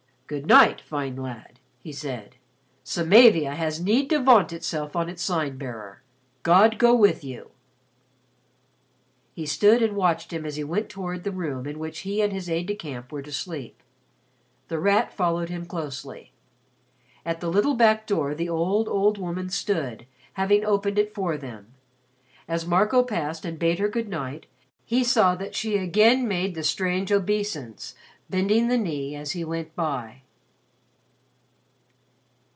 "Good night, fine lad," he said. "Samavia has need to vaunt itself on its Sign bearer. God go with you." He stood and watched him as he went toward the room in which he and his aide de camp were to sleep. The Rat followed him closely. At the little back door the old, old woman stood, having opened it for them. As Marco passed and bade her good night, he saw that she again made the strange obeisance, bending the knee as he went by.